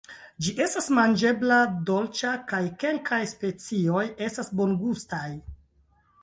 Ĝi estas manĝebla, dolĉa kaj kelkaj specioj estas bongustaj.